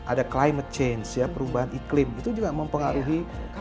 ada climate change ya perubahan iklim itu juga mempengaruhi